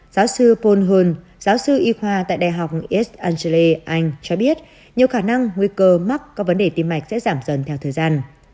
giáo sư paul hund giáo sư y khoa tại đại học east anglia anh cho biết nhiều khả năng nguy cơ mắc các vấn đề tim mạch sẽ giảm dần theo thời gian